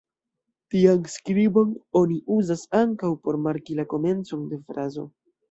Tian skribon oni uzas ankaŭ por marki la komencon de frazo.